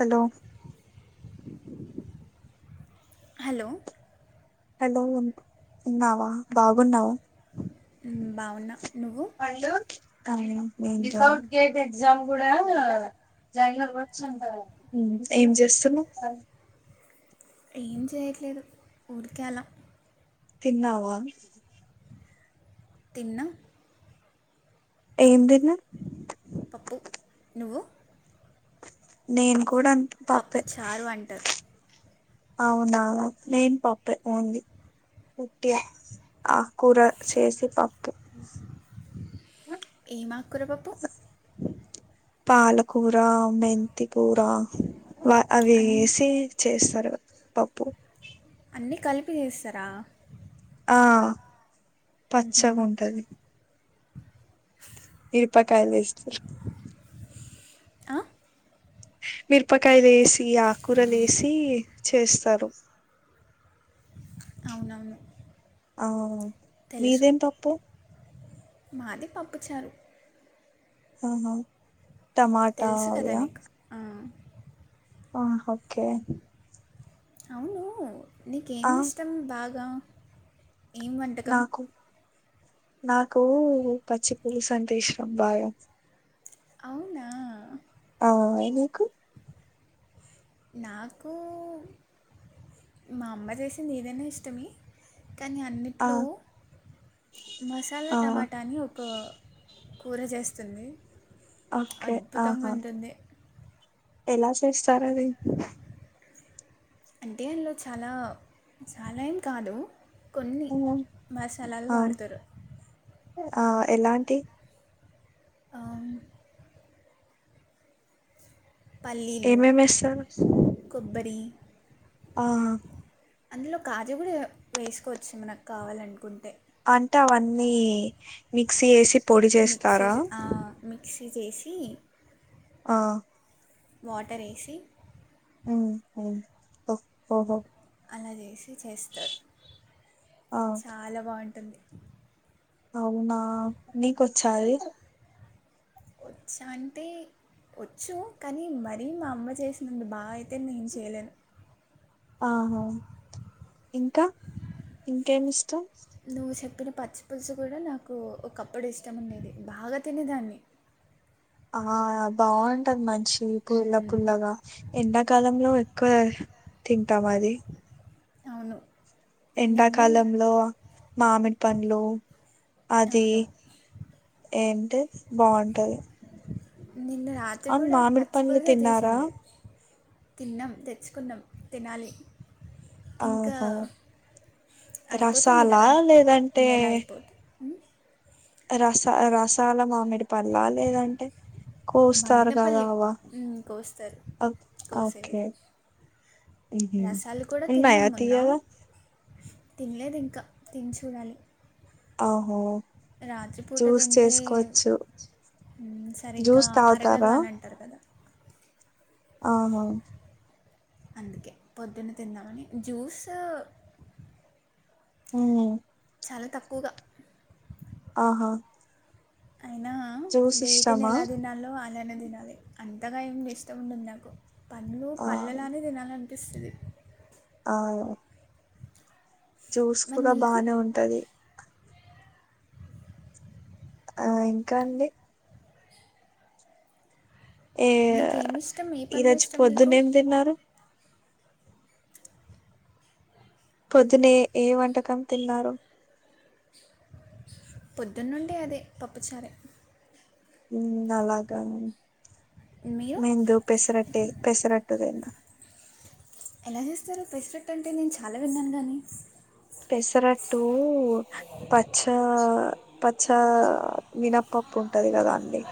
Hello hello hello ఉ ఉన్నావా బాగున్నావు బావున నువ్వు కానీ వితౌట్ గేట్ ఎగ్జామ్ కూడా జాయిన్ అవవచ్చుంట ఏం చేస్తున్నా ఏం చేయట్లేదు ఊరికలా తిన్నావా తిన్న ఏం తినవ్ పప్పు నువ్వు నేను కూడా పప్పు చారు అంటారు అవునా మేము పప్పుే ఓన్లీ పట్టి ఆ కూర చేసి పప్పు ఆకురపప్పు పాలకూర మెంతి కూర వా అవి అన్ వేసి చేస్త సరే పప్పుూ అన్నీ కలిపి చేస్తారా ఆ మ్హూ. పచ్చగా ఉంటది మిరపకాయలు ఇస్తారు ఆ మిరపకాయ వేసి ఈ ఆకూర వేసి చేస్తారు అవునను అవు మీదేం పప్పు మాది పప్పుచారు ఆహా టమాటా తెలుసు కదా వ్యా నీకు ఆ. ఆ ఓకే అవును ఆ నీకేమి ఇష్టం బాగా వ ఏం వంటకం నాకు నాకు పచ్చి పులుసు అంటే ఇష్టం బాగా అవునా ఔ నీకు నాకు మా అమ్మ చేసింది ఏదైనా ఇష్టమే కానీ ఆ అన్నిట్లో మసాలా ఆ టమాటా అని ఒక కూర చేస్తుంది ఓకే అద్భుతంగా ఆహా ఉంటుంది ఎలా చేస్తారు అది అంటే అందులో చాలా చాలా ఏం కాదు కొన్ని ఆ మసాలాలు ఆ వాడతారు ఆ ఎలాంటి అ పల్లీలు ఏమేమి వేస్తారు కొబ్బరి అవును అందులో కాజు కూడా వేసుకోవచ్చు మనకు కావాలనుకుంటే అంటే అవన్నీ మిక్సీ వేసి పొడి చేస్తారా తీసేసి ఆ వాటర్ వేసి మ్మ్ హ్మ్ హ్ ఓహో అలాగేస్ చేస్తారు ఆ చాలా బాగుం తన్ అవునా నీకొచ్చాయి వచ్చా అంటే వచ్చు కానీ మరీ మా అమ్మ చేసినంత బాగా నేను చేయలేను ఆహా ఇంకా ఇంకేమిష్ దోశెల్ ప్పిన పచ్చి పులుసు కూడా నాకు ఒకప్పుడు ఇష్టం ఉండేది బాగా తినేదాన్ని ఆ బాగుంటది మం చి పుల్ల మ్మ్. పుల్లగా ఎండాకాలంలో కోర్ తింటామది అవును నిన్న ఎండాకాలంలో మామిడి పండ్ లో అది అవును ఏం టే బాగుంటది నిన్న రాత్రి అవును కూడా మామిడి పచ్చి పనులు పులుసే తిన్నారా చేసింది తిన్నాం తెచ్చుకుంనం తినాలి ఇంకా ఓహో అయిపోతుంది రసాలా కదా లేదంటే నెల అయిపోతుంది మ్? రస రసాల మామిడి పల్లా లేదంటే కోస్తారు కదా వంగినపల్లి అవ్వ మ్, కోస్తారు కోసేవి ఓకే రసాలు కూడా తిన్నాం ఉన్నాయా మొన్న తీయాగా తినలేదు ఇంకా తని చూడాలి ఆహో రాత్రిపూట జ్యూస్ తింటే చేసుకోవచ్చు మ్మ్ సరిగ్గా జ్యూస్ అరగదు తాగుతారా అని అంటారు కదా అహా అందుకే పొద్దున్న తిందామని జ్యూస్ హు మ్మ్ చాలా తక్కువగా ఆహా అయినా జ్యూస్ వీటిని ఇష్టమా నెల తినాలో అలానే తినాలి అంతగా ఏం ఇష్టం ఉండదు నాకు పండ్లు ఆ పల్లనే తినాలన్ స్లిప్ అ జ్యూస్ మరి కూడా నీకు బానే ఉంటది ఆ ఇంకా అండి ఏ నీకేమి ఇష్టం ఏ పండ్లు ఈరోజు ఇష్టం నీకు పొద్దున్న ఏం తిన్నారు పొద్దునే ఏ వంటకం తిన్నారు పొద్దున్న నుండి అదే పప్పుచారే నలాగా మీరు మేము దు పెసరట్టె పెసరట్టే తిన్న ఎలా చేస్తారో పెస్ఫెట్ అంటే నేను చాలా విన్నాను గానీ పెసరట్టు పచ్చ పచ్చా మీనప్పప్పు ఉంటది కదా అండి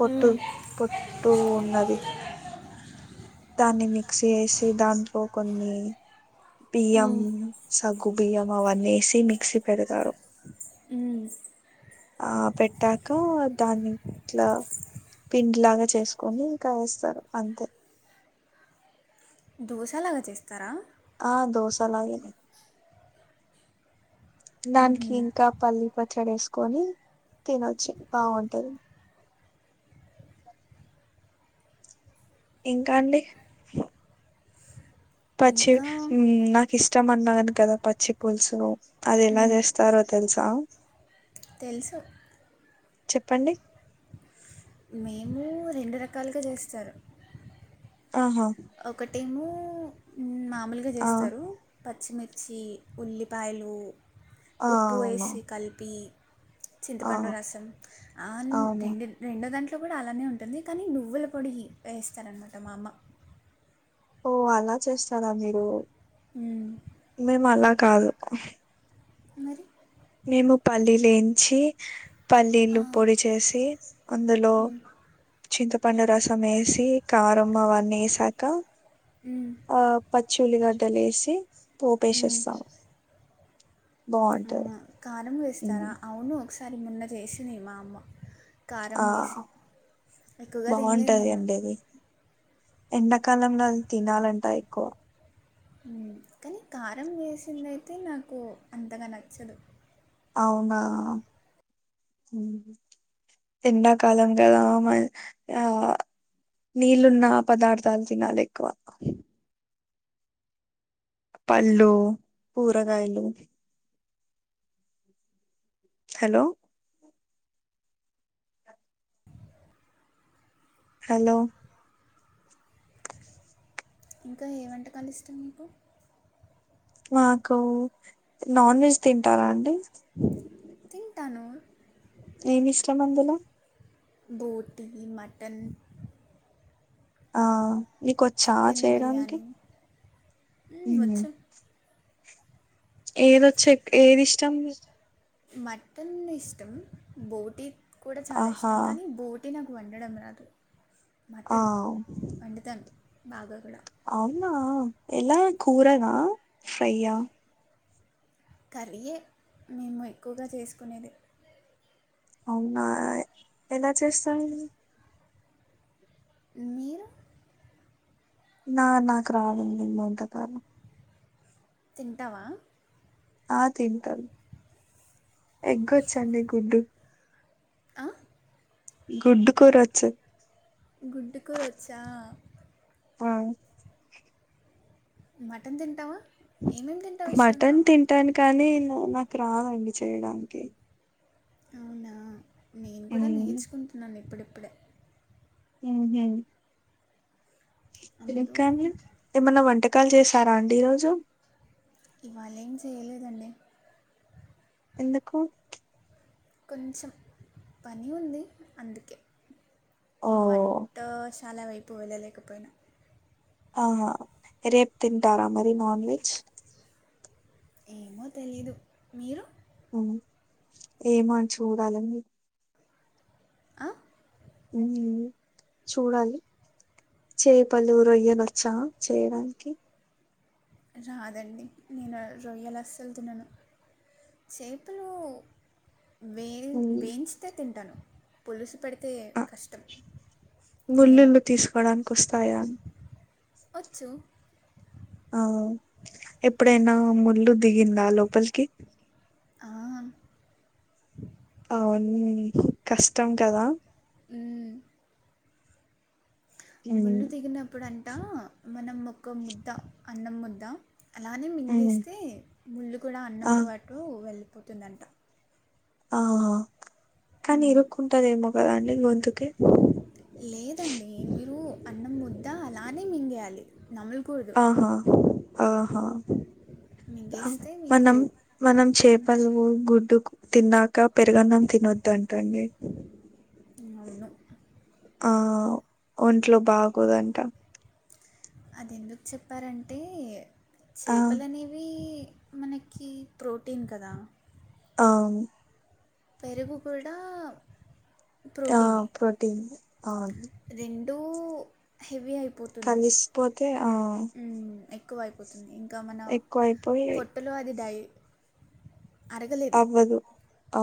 పొట్టు పొట్టు ఉన్నది దాన్ని మిక్స్ చేసి దాంట్లో కొన్ని పిఎం మ్మ్. సబ్ బియ్యం అవన్న వేసి మిక్సీ పెడతారు మ్మ్ ఆ పెట్టాక దాన్నిట్లా పిండి లాగా చేసుకొని ఇంకా వేస్తారు అంతే దోశలాగా చేస్తారా ఆ దోసలాగే నే దానికి ఇంకా పల్లిప చెడేసుకొని తినొచ్చు బాగుంటది ఇంకా అండి పచ్చి ఇంకా నాకు ఇష్టం అన్నాను కదా పచ్చి పుల్సు అది ఎలా చేస్తారో తెలుసా తెలుసు చెప్పండి మేము రెండు రకాలుగా చేస్తారు ఆహా ఒకటేమో మా లుగా ఆ చేస్తారు పచ్చిమిర్చి ఉల్లిపాయలు ఆ ఉప్పు అవునా వేసి కలిపి ఆ చింతపండు రాసం అవునా రెండు రెండో దాం అట్లో కూడా అలానే ఉంటుంది కానీ నువ్వుల పొడి వేస్తారనమాట మా అమ్మ ఓ అలా చేస్తారా మీరు అ మేము అలా కాదు మరి మేము పల్లీ లేం ఇచ్చి ఆ, పల్లీలు పొడి చేసి అందులో మ్, చింత పండు రసం వేసి కారం అవన్నీ వేసాక మ్, ఆ ప చుల్లిగడ్డలు వేసి మ్. పోపేషిస్తాము బాగుంటది అవునా కారం వేస్తారా ఉమ్, అవును ఒక సారి మన్న చేసింది మా అమ్మ కారం ఆ వేసి ఎక్కువగా తినలేదు బాగుంటది నేను అండి అది ఎండాకాలంలో తినాలంటా ఎక్కువ కానీ కారం వేసిందయితే నాకు అంతగా నచ్చదు అవునా ఎండాకాలం కదా ఆ నీళ్ళున్న పదార్థాలు తినాలి ఎక్కువ పళ్ళు కూరగాయలు హలో హలో ఇంకా ఏ వంటకాలు ఇష్టం మీకు మాకు నాన్ వెజ్ తింటారా అండి తింటాను ఏమి ఇష్టం అందులో బోటీ మటన్ ఆహ్ నీకు ఓచ్చా చేయడానికి హమ్ వచ్చు ఏదొచ్చి ఏది ఇష్టం మీ మటన్ ఇష్టం బోటీ కూడా చాలా ఆహా ఇష్టం కానీ బోట్ టి నాకు వండడం రాదు ఆ మటన్ వండుతను బాగా కూడా అవునా ఎలా కూరనా ఫ్రైయా కర్రీ ఏ మేము ఎక్కువగా చేసుకునేది అవునా ఎలా చేస్తారూ మీరు నా నాకు రావండి వంటకాలు తింటావా ఆహ్ తింటాను ఎగ్గొచ్చండి గుడ్డు ఆహ్ గుడ్డు కూర ఓచ్చు గుడ్డు కూర ఓచ్చా ఆహ్ మటన్ తింటావా ఏమేమి తింటావు ఇష్టంగా మటన్ తింటాను కానీ నానాకు రాదండి చేయడానికి అవునా నేను కూడా మ్మ్ నేర్చుకుంటున్నాను ఇప్పు ఇప్పుడే హమ్మ్ అందులో ఇంకాడి ఏమన్నా వంట టాలు చేశారా అండి ఈ రోజు ఇవాలేం చెయలేదండి ఎందుకు కొంచెం పని ఉంది అందుకే ఓ వంటా చాలా వైపు వెళ్ళలేకపోయినా ఆహ్ రేపు తింటారా మరి నాన్ వెజ్ ఏమో తెలీదు మీరు ఏమోనీ చూడాలండి ఆహ్ హమ్ చూడాలి చేపలు రొయ్యలు వచ్చా చేయడానికి రాదండి నేను రొయ్యలు అస్సలు తిన్నాను చేపలు వే ఉమ్, వేయించితే తింటాను పులిసుసి పెడి తినలేను ముళ్లుళ్ళు తీసుకోడానికి వస్తాయా వచ్చు ఆ ఎప్పుడైనా ముళ్ళు దిగిందా లోపలికి అవున్ అవును కష్టం కదా ఉమ్, ముళ్ళు తిగినప్పుడు అ అంట మనం ఒక ముద్ద అన్నం ముద్ద అలానే ఉమ్, మింగేస్తే ముళ్ళు కూడా ఆ అన్నంతో పాటు వెళ్ళ పోతుందంట ఆఓ కానీ ఇరుక్కుంటదేమో కదా అండి గొంతుకే ఇ అలానే మింగేయాలి నామలకూడదు ఆహా ఆహా మీకు మనం మనం చేపలవు గుడ్డుకు తిన్నాక పెరుగన్నం తినొద్దు అంటండి అవును ఆ ఒంట్లో బాగుోదంట అది ఎందుకు చెప్పారంటే ఆ చేపలనేవి మనకి ప్రోటీన్ కదా అ పెరుగు కూడా ఆ ప్రోటీనే ప్రోటీీన్ అ టు హెవి అయిపో కలిసిపోతే ఆ మ్, ఎక్కువ అయిపోతుంది ఇంకా మన ఎక్కువ అయిపోయి పొట్టలో అది డై అరగలేదు అవ్వదు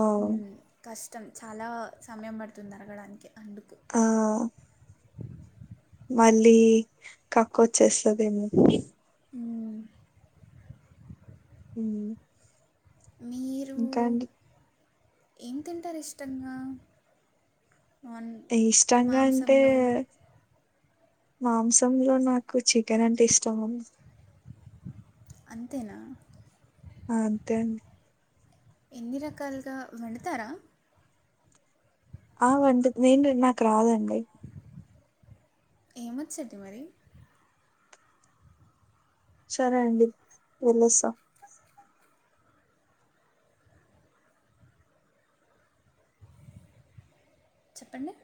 ఆ కష్ట కష్టం చాలా సమయం పడుతుంది అరగడానికి అందుకు ఆ మళ్ళీ కక్క వచ్చేస్తుది ఏమో మ్, హుమ్మ్ మీరు ఇంకా అండి ఏం తింటారు ఇష్టంగా నాన్ ఇష్టంగా అంటే మాంసంలో మాంసంలో నాకు చికెన్ అంటే ఇష్టం అంతేనా ఆ అంతే అం ఎన్ని రకాలుగా వడుతారా ఆ వంట నేను నాకు రాదండి ఏం మచ్చా అయితే మరి సరే అండి వెళ్ళొస్తా చెప్పండి